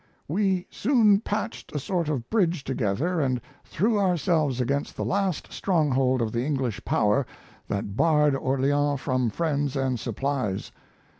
We soon patched a sort of bridge together and threw ourselves against the last stronghold of the English power that barred Orleans from friends and supplies.